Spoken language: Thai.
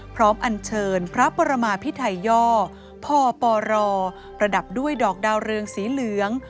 อันเชิญพระปรมาพิไทยย่อพปรประดับด้วยดอกดาวเรืองสีเหลือง